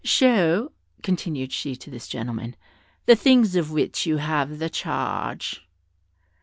Show," continued she to this gentleman, "the things of which you have the charge."